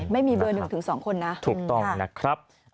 ไม่มีเบอร์๑๒คนนะถูกต้องนะครับ